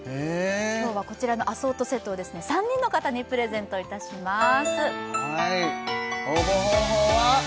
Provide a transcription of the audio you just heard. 今日はこちらのアソートセットを３人の方にプレゼントいたします